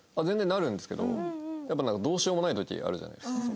全然なるんですけどやっぱどうしようもない時があるじゃないですか。